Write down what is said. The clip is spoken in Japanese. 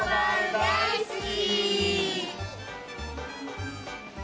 だいすき！